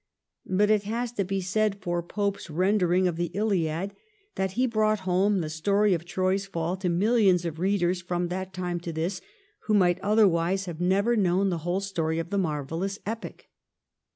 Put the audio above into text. But it has to be said for Pope's rendering VOL. II. R 242 THE REIGN OF QUEEN ANNE. ch. xxxii. of the ' Iliad ' that he brought home the story of Troy's fall to milUons of readers from that time to this who might otherwise have never known the whole story of the marvellous epic.